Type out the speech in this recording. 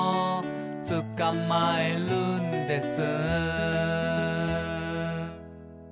「つかまえるんです」